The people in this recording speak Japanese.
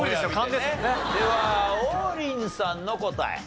では王林さんの答え。